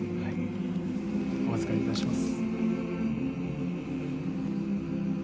お預かりいたします